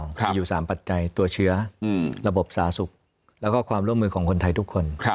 มีอยู่๓ปัจจัยตัวเชื้อระบบสาธารณสุขแล้วก็ความร่วมมือของคนไทยทุกคน